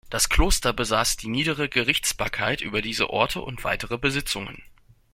Das Kloster besaß die niedere Gerichtsbarkeit über diese Orte und weitere Besitzungen.